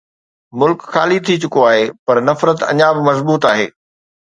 ملڪ خالي ٿي چڪو آهي، پر نفرت اڃا به مضبوط آهي.